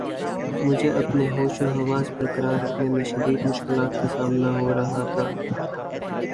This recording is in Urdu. مجھے اپنے ہوش و حواس بر قرار رکھنے میں شدید مشکلات کا سامنا ہو رہا تھا